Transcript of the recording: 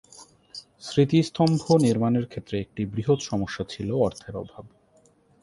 স্মৃতিস্তম্ভ নির্মাণের ক্ষেত্রে একটি বৃহৎ সমস্যা ছিল অর্থের অভাব।